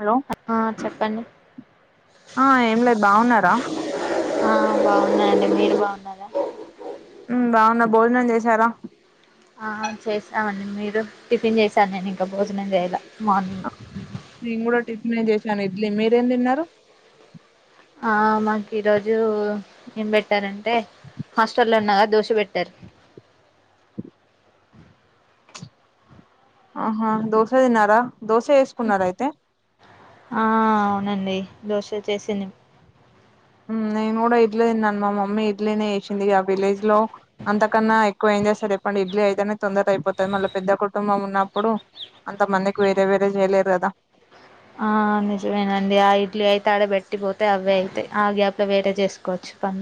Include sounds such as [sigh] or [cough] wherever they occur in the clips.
Hello ఆ చెప్పండి ఆ ఏం లేదు బావున్నారా ఆ బాగున్నాయండి మీరు బాగున్నారా ఉమ్ బాగున్న భోజనం చేశారా అ చేసామండి మీరు టిఫిన్ చేశను నేను ఇంకా భోజనం జెయాలే మార్నింగ్ నేను గుడా [unintelligible] చేసాను ఇడ్లీ మీరేం తిన్నారు ఆవు మాకు ఈ రోజు ఏం పెట్టారంటే హాస్టల్లో ఉన్నగా దోష వెట్టారు [inaudible] ఆహా దోశ తిన్నారా దోశ వేసుకున్నారా అయితే ఆ అవునండి దోశ చేసింది ఉమ్ నేను గుడా ఇడ్లీ తిన్నాను మా మమ్మీ ఇడ్లీనే వేసింది గ విలేజ్ లో అంతకన్నా ఎక్కువైంది [unintelligible] ఇడ్లీ అయితేనే తొందర అయిపోతది మళ్ళీ పెద్ద కుటుంబం ఉన్నప్పుడు అంత మందికి వేరే వేరే చేయలేరు కదా ఆ నిజమేనండి ఆ ఇడ్లీ అయితే ఆడ పెట్టిపోతే అవే అయితాయి ఆ గ్యాప్ లో వేరే చేసుకోవచ్చు పం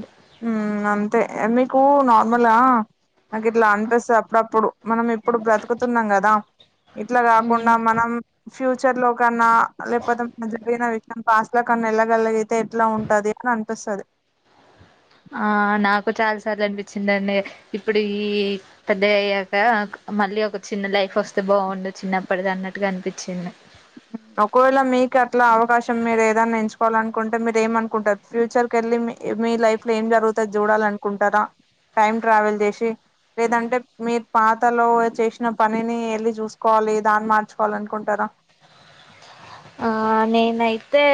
హమ్ అంతే మీకు నార్మల్ గా నాకు ఇట్లా అనిపిస్తే అప్పుడప్పుడు మనం ఇప్పుడు బ్రతుకుతున్నాం కదా ఇట్లా ఉమ్ గకుండా మనం ఫ్యూచర్ లో కన్నా లేకపోతే మన జరిగిన విషయం పాస్ట్ లో కన్నా వెళ్ళగలిగితే ఎట్లా ఉంటది కనిపిస్తది ఆ నాకు చాలా సార్లు అనిపించిందండి ఇప్పుడు ఈ పెద్దగ అయ్యాక మళ్ళీ ఒక చిన్న లైఫ్ వస్తే బావుండు చిన్నప్పటిది అన్నట్టుగా అనిపించింది [inaudible] ఒకవేళ మీకు అట్లా అవకాశం మీరు ఏదనా ఎంచుకోవాలి అనుకుంటే మీరు ఏమనుకుంటారు ఫ్యూచర్ క వెళ్ళి మీ లైఫ్ లో ఏం జరుగుతది జుడాల అనుకుంటారా టైమ్ ట్రావెల్ చేసి లేదంటే మీరు పాతలో చేసిన పనిని ఎళ్ళి చూసుకోవాలి దాన్ని మార్చుకోవాలి అనుకుంటారు [inaudible] ఆ నేనైతే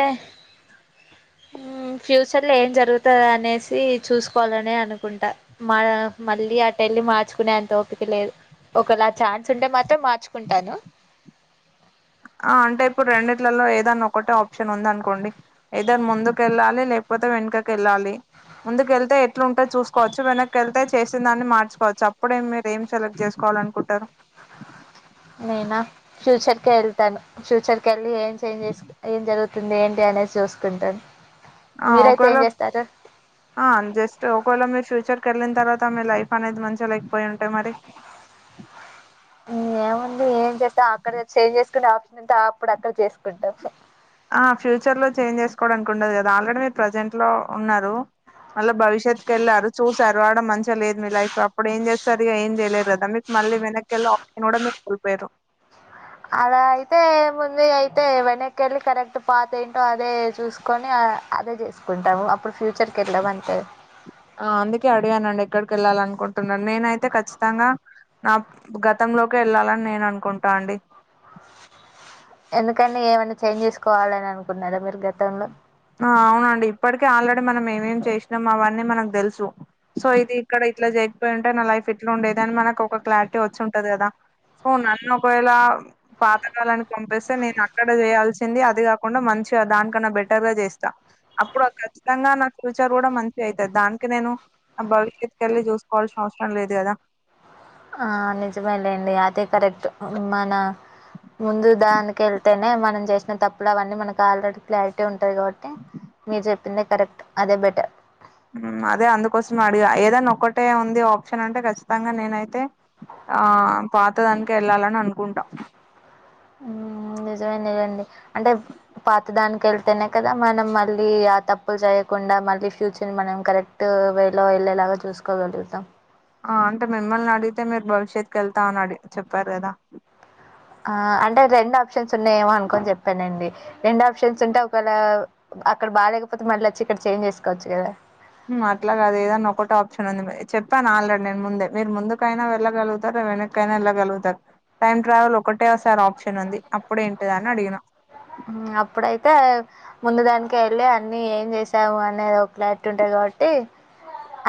ఫ్యూచర్ లో ఏం జరుగుతది అనేసి చూసుకోవాలనే అనుకుంటా మా మళ్ళీ అటెల్లి మార్చుకునే అంత ఓపిక లేదు ఒకలా ఛాన్స్ ఉంటే మాత్రం మార్చుకుంటాను. [inaudible] ఆ అంటే ఇప్పుడు రెండిట్లలలో ఏదన్నా ఒక్కటే ఆప్షన్ ఉంది అనుకోండి ఏదాని ముందుకు వెళ్ళాలి లేకపోతే వెనుకకి వెళ్ళాలి ముందుకు వెళ్తే ఇట్లు ఉంటే చూసుకోవచ్చు వెనక్కి వెళ్తే చేసినందాన్ని మార్చుకోవచ్చు అప్పుడే మీరు ఏం సెలెక్ట్ జేసుకోవాలి అనుకుంటారు [inaudible] నేనా ఫ్యూచర్ కే వెళ్తాను ఫ్యూచర్ కెళ్ళి ఏం చేంజ్ చేస్ ఏం జరుగు వస్తుంది ఏంటి అనేసి జూసుకుంటాను ఆ ఒకరు ఆ జస్ట్ ఒకళ మీరు ఫ్యూచర్ కెళ్ళిన తర్వాత ఆమె లైఫ్ అనేది మంచి లేకపోయింటే మరి ఏముంది ఏం చేస్తావు అక్కడ చేంజ్ చేసుకుంటే ఆప్షన్ ఎంత అప్పుడు అక్కడ చేసుకుంటాం ఆ ఫ్యూచర్ లో చేంజ్ చేసుకోవడానికి ఉండదు కదా ఆల్రెడీ మీరు ప్రజెంట్ లో ఉన్నారు మళ్ళీ భవిష్యత్ కి వెళ్ళారు చూసారు ఆడ మంచిగా లేదు మీ లైఫ్ అప్పుడు ఏం చేస్తారు ఏం చేయలేరు కదా మీకు మళ్ళీ వెనక్కిళ్ళ ఆప్షన్ కూడా మీరు కోల్పోయారు అలా అయితే ముందు అయితే వెనక్ వెళ్ళి కరెక్ట్ పాత ఏంటో అదే చూసుకొని అదే చేసుకుంటాము అప్పుడు ఫ్యూచర్ కి ఎళ్ళమంటే ఆ అందుకే అడిగానండి ఎక్కడికి వెళ్ళాలి అనుకుంటున్నాను నేనైతే ఖచ్చితంగా నా గతంలోకి వెళ్ళాలని నేను అనుకుంటా అండి ఎందుకని ఏమైనా చేంజ్ చేసుకోవాలని అనుకున్నారా మీరు గతంలో ఆ అవునండి ఇప్పటికే ఆల్రెడీ మనం ఏమేం చేసినాం అవన్నీ మనకు తెలుసు సో ఇది ఇక్కడ ఇట్లా జరిగిపోయి ఉంటే నా లైఫ్ ఇట్లా ఉండేది అని మన ఒక క్లారిటీ వచ్చి ఉంటది కదా సో నన్ను ఒకవేళ పాతకాలానికి పంపిస్తే నేను అక్కడ చేయాల్సింది అది కాకుండా మంచి దానికన్నా బట్ చేస్తా అప్పుడు ఖచ్చితంగా నా ఫ్యూచర్ కూడా మంచి అయితది దానికి నేను భవిష్యత్ కెళ్ళి చూసుకోవాల్సిన అవసరం లేదు కదా ఆ నిజమేలేండి అది కరెక్ట్ మన ముందు దానికి వెళ్తేనే మనం చేసిన తప్పులు అవన్నీ మనకి ఆల్రెడీ క్లారిటీ ఉంటది కాబట్టి మీరు చెప్పిందే కరెక్ట్ అదే బెటర్ అదే అందుకోసం అడిగా ఏదైనా ఒక్కటే ఉంది ఆప్షన్ అంటే ఖచ్చితంగా నేనైతే ఆ పాతదానికి వెళ్ళాలని అనుకుంటా ఉ నిజమేనదండి అంటే పాత దానికి వెళ్తేనే కదా మనం మళ్ళీ ఆ తప్పులు చేయ కుండా మళ్ళీ ఫ్యూచర్ మనం కరెక్ట్ వేలో వెళ్ళేలాగా చూసుకోగలుగుతాం ఆ అంటే మిమ్మల్ని అడిగితే మీరు భవిష్యత్తుకి వెళ్తామని అడి చెప్పారు కదా ఆ అంటే రెండు ఆప్షన్స్ ఉన్నాయేమో అనుకోని చెప్పానండి రెండు ఆప్షన్స్ ఉంటే ఒకవేళ అక్కడ బాలేకపోతె మళ్ళి వచ్చి ఇక్కడ చేంజ్ చేసుకోవచ్చు కదా అట్లాగాదే ఏదన్న ఒకటి ఆప్షన్ ఉంది మీ చెప్పాను ఆల్రెడీ నేను ముందే మీరు ముందుకైనా వెళ్ళగలుగుతారు వెనక్కి అయినా వెళ్ళగలుగుతారు టైమ్ ట్రావెల్ ఒక ఒకేసారి ఆప్షన్ ఉంది అప్పుడు ఏంటిద అని అడిగిన హ్మ్. అప్పుడైతే ముందు దానికి వెళ్ళి అన్ని ఏం చేసాము అనేది ఒక క్లారిటీ ఉంటాది కాబట్టి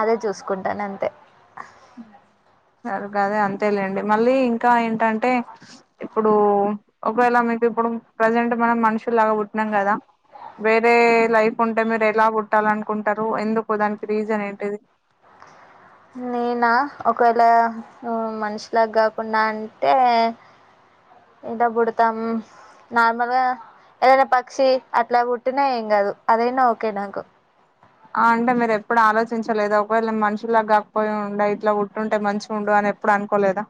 అదే చూసుకుంటాను అంతే ఆహ్ గదే అంతేలేండి మళ్ళీ ఇంకా ఏంటంటే ఇప్పుడు ఒకవేళ మీకు ఇప్పుడు ప్రజెంట్ మనం మనుషుల్ లాగా పుట్టిం కదా వేరే లైఫ్ ఉంటే మీరు ఎలా పుట్టాలనుకుంటారు ఎందుకు దానికి రీజన్ ఏంటిది నేనా ఒకవేళ ఆహ్ మనిషిలా కాకుండా అంటే ఎట్ల బుడతాం నార్మల్గా ఏదైనా పక్షి అట్లా పుట్టినా ఏం కాదు అదైనా ఓకే నాకు ఆహ్ అంటే మీరు ఎప్పుడు ఆలోచించలేదు ఒకవేళ నెన్ మనుషులాగా కాకపోయి ఉంటే ఇట్లా వుట్టుంటే మంచిగా ఉండడు అ ఎప్పుడు అనుకోలేదా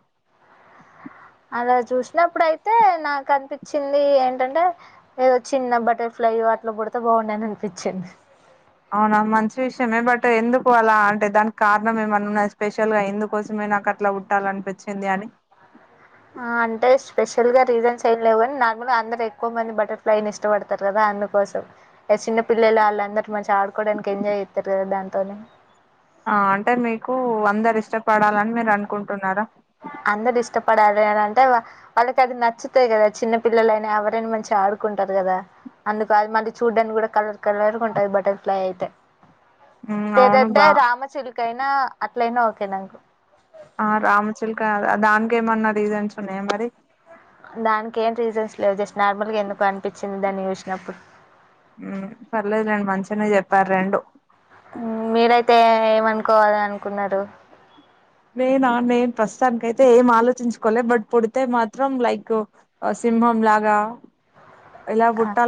అలా చూసినప్పుడు అయితే నాకు అనిపించింది ఏంటంటే ఏదో చిన్న అప్పటి అయ్యో అట్ల పుడితే బాగుండని అనిపించింది అవునా మంచి విషయమే బట్ ఎందుకు అలా అంటే దానికి కారణం ఏమన్నాన్నా స్పెషల్ గా ఎందుకోసం నాకు అట్లా వుంటాలి అనిపించింది అని అంటే స్పెషల్గా రీజన్స్ ఏం లేవు కాని నార్మల్ గా అందరు ఎక్కువ మంది బటర్ఫ్లైని ఇష్టపడతారు కదా అందుకోసం చిన్న పిల్లలు వాళ్ళందరూ మంచిగా ఆడుకోవడానికి ఎంజాయ్ జెతరు కదా దాంతోనే ఆహ్ అంటే మీకు అందరు ఇష్టపడాలని మీరు అనుకుంటున్నారా అందరు ఇష్టపడాల అంటే వాళ్ళకి అది నచ్చుతాయి కదా చిన్న పిల్లలైనా ఎవరైనా మంచిగా ఆడుకు ఉంటారు కదా అందుకు అది మళ్ళీ చూడ్డానికి కూడా కలర్ కలర్ ఉంటంది బటర్ఫ్లై అయితే మ్మ్ అవును లేదంటే బా రామ చిలుక అయిన అట్లయినా ఓకే నాకు ఆహ్ రామచిల్క దానినకి ఏమన్నా రీజన్స్ ఉన్నాయ మరి దానికి ఏం రీజన్స్ లేవు జస్ట్ నార్మల్గా ఎందుకో అనిపించింది దాన్ని చూసినప్పుడు మ్మ్ [inaudible] చెప్పారు రెండు అయితే ఏం అనుకోవాలి అనుకున్నారు నేనా నేను ప్రస్తుతాననికి అయితే ఏం ఆలోచించుకోలే బట్ పుడితే మాత్రం లైక్ సింహంలాగా ఆహ్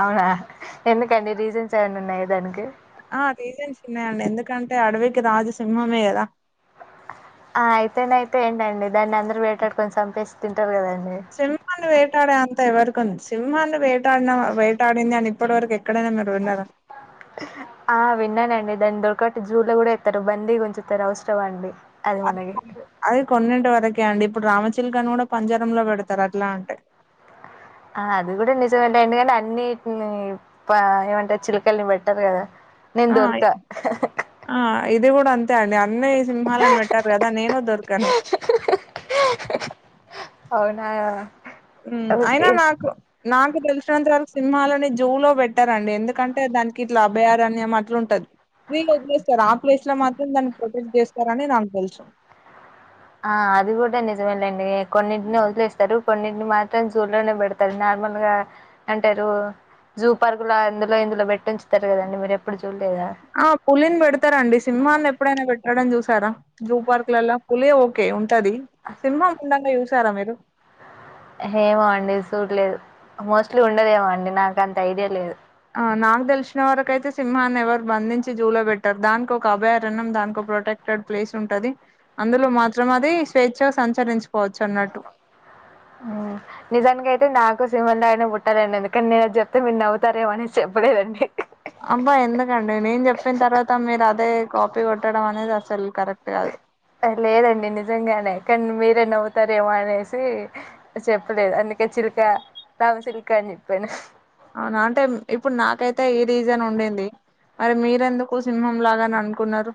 అవునా ఎందుకండి రీజన్స్ ఏమైన్న ఉన్నాయా దానికి ఆహ్ రీజన్స్ ఉన్నాయండి ఎందుకంటే అడవికి రాజు సింహమే కదా ఆహ్ అయితేనే అయితే ఏంటండి దాన్ని అందరు వేటాడుకొని సంపేసి తింటారు కదండి సింహన్ని వేటాడే అంత ఎవరిక ఉంది సింహన్ని వేటాడిన వేటాడింది అని ఇప్పటి వరకు ఎక్కడైనా మీరు విన్నారా ఆ విన్నానండి దాన్ని దొరకట్టి జూ లో కూడా వెస్తారు బందీ కొంచస్తారు అవసరమా అండి అది మనకి అది కొన్నెంటి వరకి ఓకే అండి ఇప్పుడు రామచిల్కను కూడా పంజరం లో పెడతారు అట్లా అంటే ఆ అది కూడా నిజమే అండి ఎందుకంటే అన్ని ఏమంటారు చిలకల్ని పెట్టారు కదా నెన్ ఆ దొరక ఆ ఇది కూడా అంతే అండి అన్నీ సింహాలను పెట్టారు కదా నేను దొరికాను అవునా ఉమ్ అయినా ఓకే నాకు నాకు తెలిసినంత వరకు సినిమాలని జూలో పెట్టారండి ఎందుకంటే దానికి ఇట్లా అభయార అన్ని మా అట్లు ఉంటది ఫ్రీ ఒదిలేస్తారు ఆ ప్లేస్ లో మాత్రం దాన్ని ప్రొటెక్ట్ చేస్తారని నాకు తెలుసు ఆహ్ అది కూడా నిజమేళ్ళండి కొన్నింటిని వదిలేస్తారు కొన్నింటిని మాత్రం జూలో నే పెడతారు నా మామూళ్ల అంటే రు జూ పార్క్ అందులో ఇందులో పె ఆ పులిని పెడతారండి సింహాని ఎప్పుడైనా పెట్టడం చూస్త ారా జూ పార్క్ లలా ఫులే ఓకే ఉంటది సింహం ఉండూ [unintelligible] సారా మీరు హేమో అండి సుడలేదు మోస్ట్లీ ఉండదేమో అండి నాకు అంత ఐడియా లేదు అ నాకు తెలిసిన వరకయితే సింహాన్ని ఎవరు బంధించి జూలో పెట్టారు దానికి ఒక అభయారణ్యం దానికి ఒక ప్రొటెక్ట్ [unintelligible] ప్లేస్ ఉంటది అందులో మాత్రం అది స్వేచ్ఛగా సంచరించు అ నిజాకాన్ అయితే నాకు సిమన్లాడిని పుట్టాలండి ఎందుకనిేను చెప్తే మీరు నవవుతారేమోనే చెప్పలేదండి అబ్బా ఎందుకండి నేను చెప్పిన తర్వాత మీరు అదే కాపీ కొట్టడం అనేది అసలు కరెక్ట్ే అదు లేదండి నిజంగానే కానీ మీరే నవుతారేమో అనేసి చెప్పలేదు అందుకే చిలు య [unintelligible] అని ఇప్పను అవునా అంటే ఇప్పుడు నాకైతే ఏ రీజన్ ఉండింది మరి మీరెందుకు సింహంలాగాని అనుకున్నారు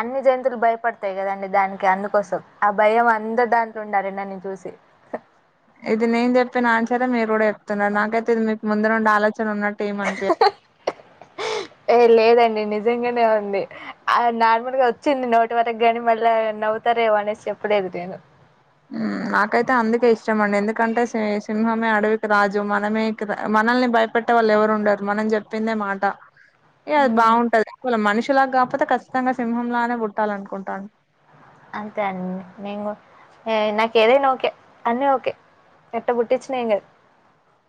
అన్ని జంతువులు భయపడతాయి కదండి దానికి అందుకోసం ఆ భయం అంద దాంట్లో ఉండాలని నన్ను చూసి సరె మీరు కూడా చెప్తున్నారు నాకైతే ఇది మీకు ముందు నుండి ఆలోచ [inaudible] ఏ లేదండి నిజం నిజంగానే ఉంది ఆ నార్మల్ గా వచ్చింది నోటి వరకు గాని మళ్ళా నవ్తారేవో అనేసి ఎప్పుడే దేను నాకైతే అందుకే ఇష్టం అండి ఎందుకంటే సి సింహమే అడవికి రాజు మనమే [inaudible] మనల్ని భయపెట్టే వాళ్ళు ఎవరు ఉండరు మనం జెప్పిందే మాట ఏ అది ఉమ్ బావుంటది వల మనిషులా గపోతే ఖచ్చితంగా సింహంలానే పుట్టాల అనుకుంటాను అంతే అండి నేను ఎ నాకు ఏదైనా ఓకే అన్నీ ఓకే ఎట్ట పుటిచ్చన [unintelligible]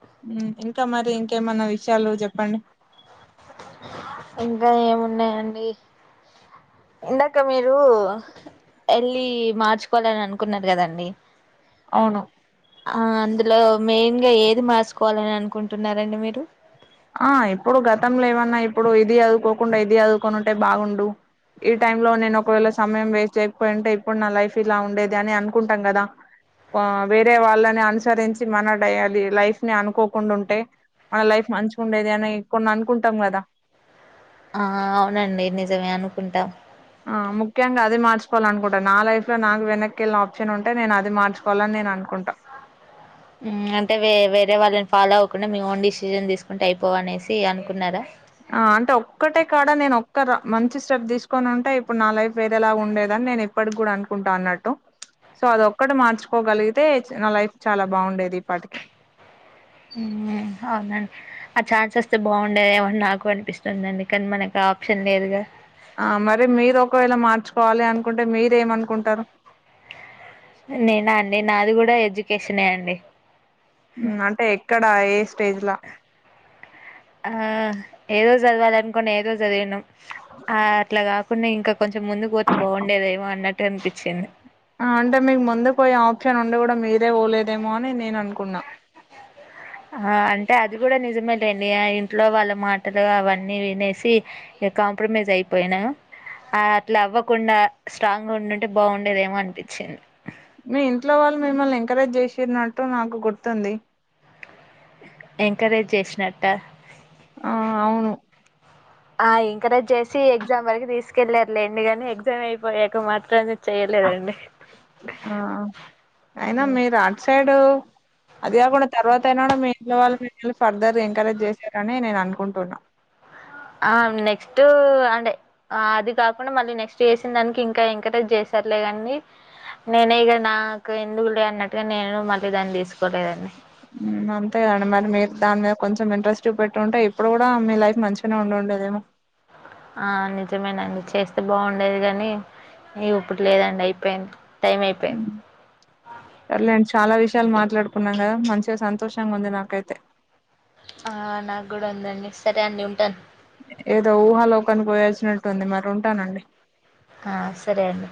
ఇంకా మరి ఇంకేమన్నా విషయాలు జెప్పండి ఇంకా ఏమున్నాయండి ఇందాక మీరు ఎళ్ళి మార్చుకోవాలని అనుకున్నారు కదండి అవును ఆ అందులో మెయిన్ గా ఏది మా [unintelligible] కోవాలని అనుకుంటున్నారండి మీరు ఆ ఇప్పుడు గతంలో ఏమన్నా ఇప్పుడు ఇది చదువుకోకుండా ఇది చదువుకోొని ఉంటే బాగుండు ఈ టైమ్ లో నేను ఒకవేళ సమయం వేస్ట్ చెయ్యాకపోయింటే ఇప్పుడు నా లైఫ్ ఇలా ఉండేది అని అనుకుంటాం గదా వా వేరే వాళ్ళని అనుసరించి మన డైయలి లైఫ్ ని అనుకోకుండా ఉంటే మన లైఫ్ మంచిగా ఉండేది అని కొన్ని అనుకుంటాం కదా ఆ అవునండి నిజమే అనుకుంటాం అ ముఖ్యంగా అది మచకోవాల అనుకుంటారు నా లైఫ్ లో నాకు వెనక్కి వెళ్ళిన ఆప్షన్ ఉంటే నేను అది మార్చుకోవాలని నేను అనుకుం [inaudible] మ్ అంటేే వె వేరే వాళ్ళని ఫాలో అవ్వకుండా మీ ఓన్ డిసిషన్ తీసుకుంటే అయిపోవ అనేసి అనుకున్నారా ఆ అంటే ఒక్కటే కాడ నేను ఒక్క ర మంచి స్టెప్ తీసుకోని ఉంటే ఇప్పుడు నా లైఫ్ వేరేలా ఉండేదా నేను ఎప్పటి గుడా అనుకుంటా అన్నట్టు సో అది ఒక్కటి మార్చుకోగలిగితే చ్ నా లైఫ్ చాలా బాగుండేది ఇప్పటి కి [inaudible] హవునండి ఆ ఛాన్సెస్ే బాగుండేది ఏమని నాకు అనిపిస్తుందండి కానీ మనకు అ ఆప్షన్ లేదుగా ఆ మరి మీరు ఒకవేళ మార్చుకోవాలి అనుకుంటే మీర ఏమనుకుంటారు నేనా అండి నాది కూడా ఎడ్యుకేషనే అండి ఉమ్ అంటే ఎక్కడా ఎ ఆ ఏదో చదుకోవాలి అనుకున్నా ఏదో చదివినను ఆ అట్లా కాకుండా ఇంకా కొంచెం ముందు పోతే బాగుండేదేమో అన్నట్టు అనిపించింది అంటే మీకు ముందు పోయే ఆప్షన్ ఉండడి కూడా మీరే పోలేదేమో అని నేను అనుకున్నా ఆ అంటే అది కూడా నిజమేలేండి ఆ ఇంట్లో వాళ్ళ మాటలు అవన్నీ వినేసి ఇగ కాంప్రమైజ్ అయిపోయిన ఆ అట్లా అవ్వకుండా స్ట్రాంగ్ గా ఉండుంటే బాగుండేదేమో అనిపించింది మీ ఇంట్లో వాళ్ళు మిమ్మల్ని ఎంకరేజ్ చేసినట్టు నాకు గుర్తుంది ఎంకరేజ్ చేసినట్ట ఆ అవును ఆ ఇంకరేజ్ చేసి ఎగ్జామ్ వరకు తీసుకెళ్ళారు లేండి నీ ఎగ్జామ్ అయిపోయాక మాత్రమం చెయ్యలే చేయలేదు అండి ఆ అయినా మీరు అట్ సైడు అది కాకుండా తర్వాత అయినా కూడా మీ ఇంట్లో వాళ్ళు మిమ్మల్ని ఫర్దర్ ఎంకరేజ్ చేశారని నేను అనుకుంటున్నాను ఆ నెక్స్ట్ అంటే అది కాకుండా మళ్ళీ నెక్స్ట్ చేసిన దానికి ఇంకా ఎంకరేజ్ చేస్త సర్లే అండి నేనే ఇక నాకు ఎందుకు లే అన్నట్టుగా నేను మళ్ళీ దాన్ని తీసుకోలేదంన్ని ఉమ్ అంతే కదండి మరి మీరు దాని మీద కొంచం ఇంట్రెస్ట్ప పెట్టి ఉంటే ఇప్పుడు కూడా మీ లైఫ్ మంచిగానే ఉండేదేమో ఆ నిజమేనా నే చేస్తే బాగుండేది గాని ఎం ఇప్పుడు లేదండి అయిపోయింది టైం అయిపోయింది [unintelligible] చాలా విషయం విషయాలు మాట్లాడుకున్నాం కదా మంచిగా సంతోషంగా ఉంది నాకైతే ఆ నాకు కూడా ఉందండి సరే అండి ఉంటాను ఏదో ఊహాలోకానికి పోయాల్సినట్టుంది మరి ఉంటానండి ఆ సరే అండి